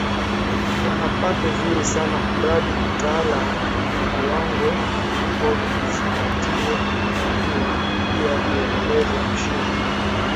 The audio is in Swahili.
wana pato zuri sana mradi utaalaam na viwango vizingatiwe Angalia pia vielelezo chini